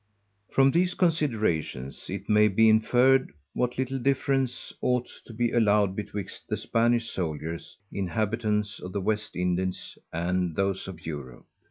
_From these Considerations it may be inferr'd what little difference ought to be allowed betwixt the Spanish Souldiers, Inhabitants of the_ West Indies, and those of Europe.